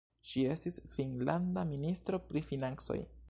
Ŝi estis finnlanda ministro pri financoj.